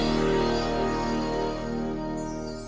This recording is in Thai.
สวัสดีครับ